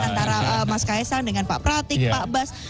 antara mas kaisang dengan pak pratik pak bas